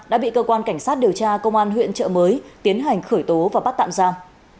đã bị cơ quan cảnh sát điều tra công an huyện trợ mới tiến hành khởi tố và bắt tạm giam